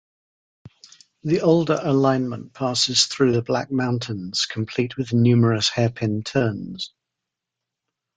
The older alignment passes through the Black Mountains complete with numerous hairpin turns.